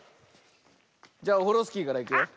じゃオフロスキーからいくよ。